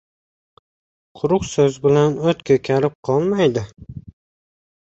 • Quruq so‘z bilan o‘t ko‘karib qolmaydi.